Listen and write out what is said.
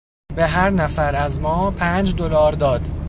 به هر نفر از ما پنج دلار داد.